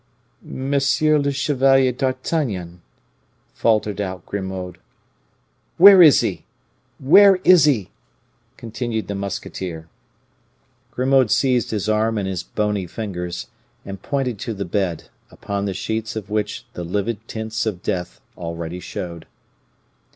"Monsieur le Chevalier d'Artagnan," faltered out Grimaud. "Where is he? Where is he?" continued the musketeer. Grimaud seized his arm in his bony fingers, and pointed to the bed, upon the sheets of which the livid tints of death already showed.